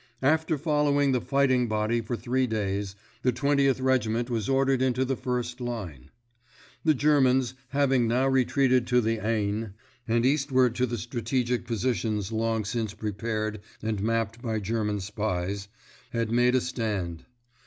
After following the fighting body for three days, the Twentieth Regiment was ordered into the first line. The Germans, having now retreated to the Aisne, and eastward to the strategic positions long since prepared and mapped by German spies, had made a stand.